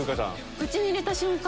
口に入れた瞬間